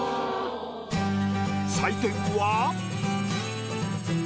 採点は。